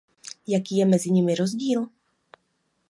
Jaký je mezi nimi rozdíl?